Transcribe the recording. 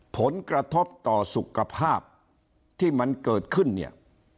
ผลกระทบต่อสุขภาพที่มันเกิดขึ้นเนี่ย